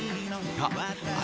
あ